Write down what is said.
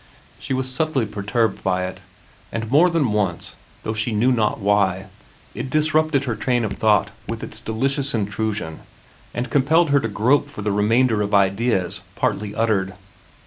She was subtly perturbed by it, and more than once, though she knew not why, it disrupted her train of thought with its delicious intrusion and compelled her to grope for the remainder of ideas partly uttered.